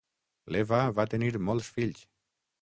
L'Eva va tenir molts fills.